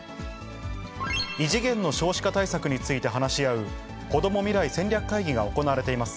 異次元の少子化対策について話し合う、こども未来戦略会議が行われています。